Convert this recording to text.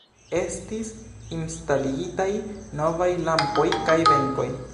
Estis instalitaj novaj lampoj kaj benkoj.